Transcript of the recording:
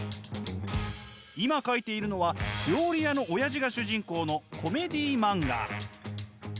今描いているのは料理屋のオヤジが主人公のコメディー漫画。